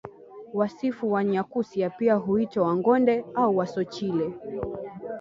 Wasifu Wanyakyusa pia huitwa Wangonde au Wasochile